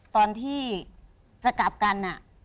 ตอนที่จะกลับกัน